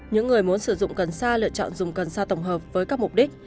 những người muốn sử dụng cần xa lựa chọn dùng cần xa tổng hợp với các mục đích